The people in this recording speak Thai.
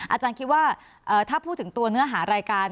อาจารย์คิดว่าถ้าพูดถึงตัวเนื้อหารายการ